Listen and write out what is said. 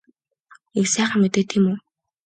Их сайхан мэдээ тийм үү?